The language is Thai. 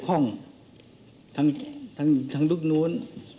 ตั้งแต่ว่าถูกด้วย